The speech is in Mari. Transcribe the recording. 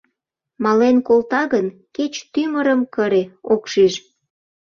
Мален колта гын, кеч тӱмырым кыре — ок шиж.